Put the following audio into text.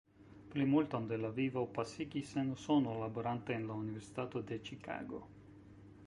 Plimulton de la vivo pasigis en Usono, laborante en la Universitato de Ĉikago.